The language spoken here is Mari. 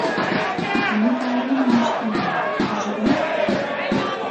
Ме пайремым ыштена, ужыда...